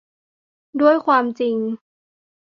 ด้วยความจริง